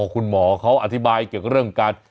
คุณหมอเขาอธิบายเกี่ยวกับเรื่องการ